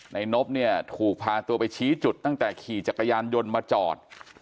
นบเนี่ยถูกพาตัวไปชี้จุดตั้งแต่ขี่จักรยานยนต์มาจอด